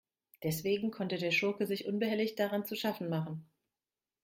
Deswegen konnte der Schurke sich unbehelligt daran zu schaffen machen.